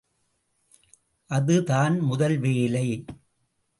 அது தான் முதல் வேலை.